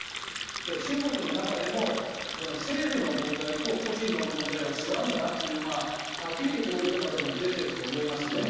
中国の中でも政府の問題と個人の問題は違うんだなというのがはっきりとこういうところに出ていると思いますね。